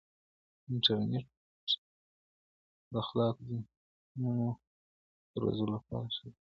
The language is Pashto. انټرنیټ د خلاقو ذهنونو د روزلو لپاره ښه ځای دی.